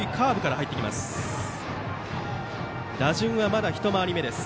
打順はまだ一回り目です。